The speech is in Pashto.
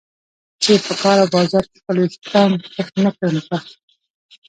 چې په کار او بازار کې خپل ویښتان پټ نه کړم. په